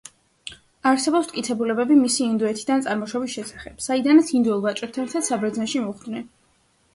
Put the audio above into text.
არსებობს მტკიცებულებები მისი ინდოეთიდან წარმოშობის შესახებ, საიდანაც ინდოელ ვაჭრებთან ერთად საბერძნეთში მოხვდნენ.